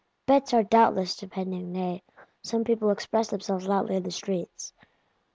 Bets are doubtless depending; nay, some people "express themselves loudly in the streets."